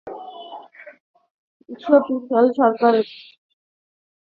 Ethiopia সরকার আশ্বস্ত করেছিল, দেশে ফিরলে কোনো শাস্তির সম্মুখীন হতে হবে না।